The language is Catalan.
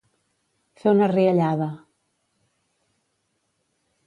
Fer una riallada.